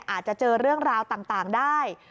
อาจจะเจอเรื่องราวต่างได้